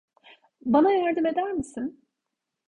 Bana yardım eder misin?